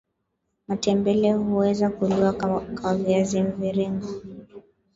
Matembele huweza kuliwa kwa viazi mviringo